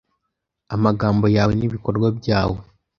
Amagambo yawe n’ibikorwa byawe